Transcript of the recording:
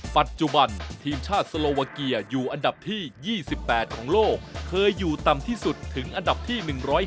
ปัจจุบันทีมชาติสโลวาเกียอยู่อันดับที่๒๘ของโลกเคยอยู่ต่ำที่สุดถึงอันดับที่๑๒